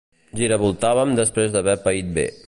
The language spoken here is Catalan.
Giravoltàvem després d'haver paït bé.